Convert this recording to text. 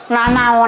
nah nah nah